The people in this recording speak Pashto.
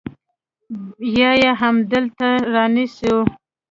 يا يې همدلته رانيسو.